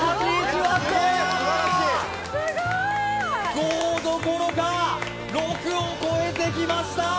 ５どころか６を超えてきました！